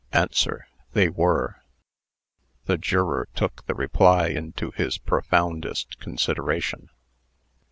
ANSWER. "They were." The juror took the reply into his profoundest consideration.